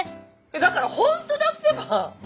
だからほんとだってば！